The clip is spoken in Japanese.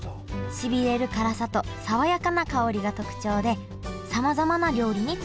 しびれる辛さと爽やかな香りが特徴でさまざまな料理に使われてきました